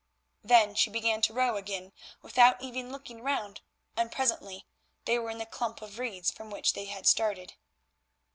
Then she began to row again without even looking round, and presently they were in the clump of reeds from which they had started.